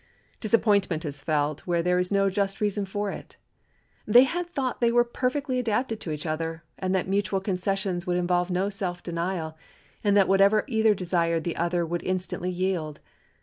Disappointment is felt where there is no just reason for it. They had thought they were perfectly adapted to each other, and that mutual concessions would involve no self denial, and that whatever either desired the other would instantly yield.